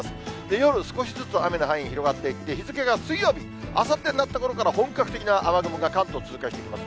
夜、少しずつ雨の範囲、広がっていって、日付が水曜日、あさってになったころから、本格的な雨雲が関東を通過していきます。